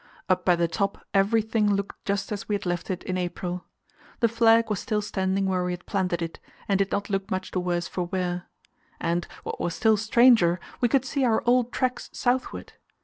Up at the top everything looked just as we had left it in April. The flag was still standing where we had planted it, and did not look much the worse for wear. And, what was still stranger, we could see our old tracks southward.